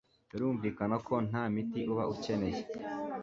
birumvikana ko nta miti uba ukeneye,